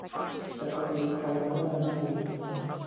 แต่ก็เป็นการสนทนาที่ดี